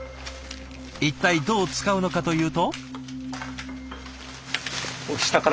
一体どう使うのかというと。